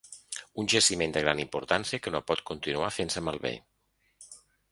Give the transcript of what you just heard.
Un jaciment de gran importància que no pot continuar fent-se malbé.